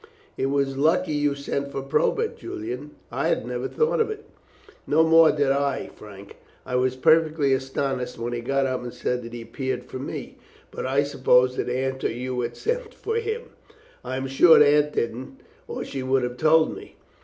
"It was lucky you sent for Probert, Julian; I had never thought of it." "No more did I, Frank. I was perfectly astonished when he got up and said that he appeared for me, but I supposed that Aunt or you had sent for him." "I am sure Aunt didn't, or she would have told me."